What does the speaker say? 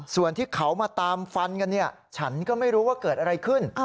ส่วนที่เขามาตามฟันกันเนี่ยฉันก็ไม่รู้ว่าเกิดอะไรขึ้น